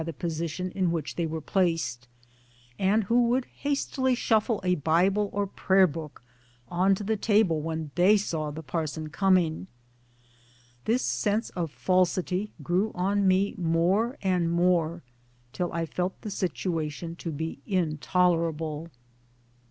59 the position In which they were placed and who would hastily shuffle a Bible or prayer book on to the table, when they saw the parson coming. This sense of falsity grew on me more and more till I felt the situation to be intolerable.